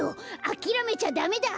あきらめちゃダメだ。